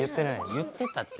言ってたって。